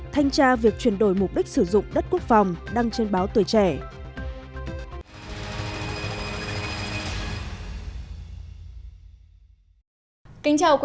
thanh tra việc chuyển đổi mục đích sử dụng đất đai